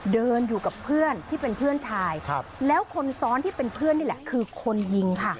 เดินอยู่กับเพื่อนที่เป็นเพื่อนชาย